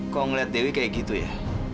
kalau ngeliat dewi kayak gitu ya